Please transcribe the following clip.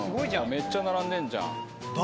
めっちゃ並んでんじゃん。